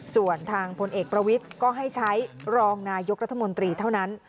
ส่วนทางพลเอกประวิทย์ก็ให้ใช้รองนายกรัฐมนตรีเท่านั้น